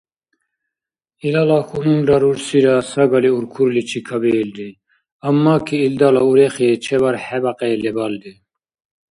Илала хьунулра рурсира сагали уркурличи кабиилри, аммаки илдала урехи чебархӀебякьи лебалри